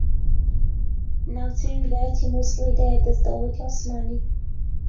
ناوچەی ویلایەتی موسڵی دایە دەست دەوڵەتی عوسمانی